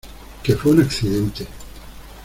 que fue un accidente.